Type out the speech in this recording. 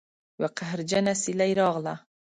یوه قهرجنه سیلۍ راغله